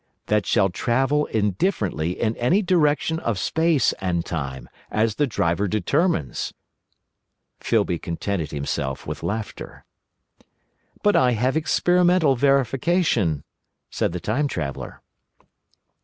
"That shall travel indifferently in any direction of Space and Time, as the driver determines." Filby contented himself with laughter. "But I have experimental verification," said the Time Traveller.